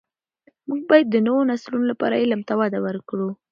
موږ باید د نوو نسلونو لپاره علم ته وده ورکړو.